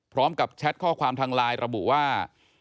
พร้อมกับแชทข้อความทางไลน์ระบุว่า